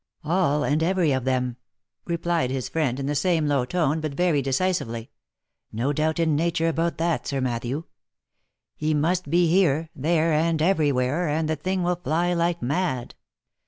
" All and every of them," replied his friend, in the same low tone, but very decisively. " No doubt in nature about that, Sir Matthew ; he must be here, there, and every where, and the thing will fly like mad."